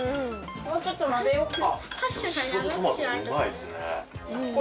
もうちょっと混ぜようか。